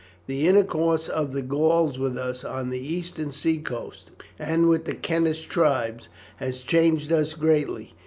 The intercourse of the Gauls with us on this eastern sea coast, and with the Kentish tribes, has changed us greatly.